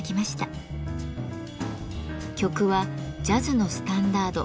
曲はジャズのスタンダード